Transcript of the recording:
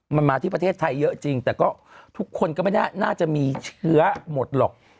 มันมาที่ประเทศไทยเยอะจริงแต่ก็ทุกคนก็ไม่น่าจะมีเชื้อหมดหรอก